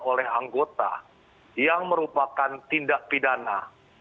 oleh anggota yang merupakan tindak pidana